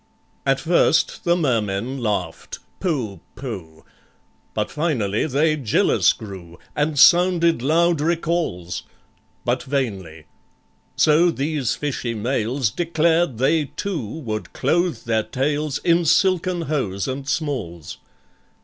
At first the Mermen laughed, "Pooh! pooh!" But finally they jealous grew, And sounded loud recalls; But vainly. So these fishy males Declared they too would clothe their tails In silken hose and smalls.